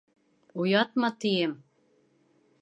Уятма, тием!